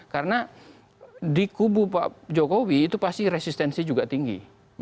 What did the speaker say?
karena di kubu pak jokowi itu pasti resistensi juga tinggi